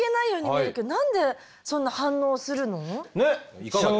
いかがですか？